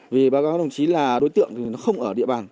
vì bà gái đồng chí là đối tượng thì nó không ở địa bàn